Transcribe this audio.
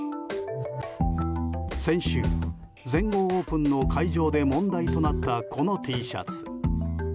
先週、全豪オープンの会場で問題となった、このＴシャツ。